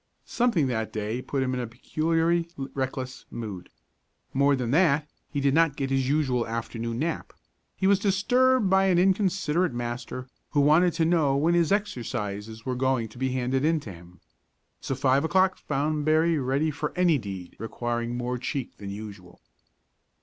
Something that day put him in a peculiarly reckless mood. More than that, he did not get his usual afternoon nap; he was disturbed by an inconsiderate master, who wanted to know when his exercises were going to be handed in to him. So five o'clock found Berry ready for any deed requiring more cheek than usual.